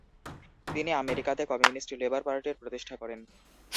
তিনি আমেরিকাতে ‘communist labour পার্টি’র প্রতিষ্ঠা করেন।